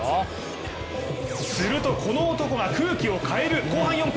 すると、この男が空気を変える、後半４分。